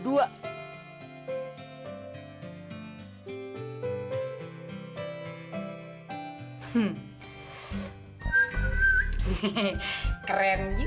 buat siapa yang mau pegang ini